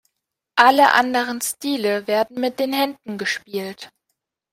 Alle anderen Stile werden mit den Händen gespielt.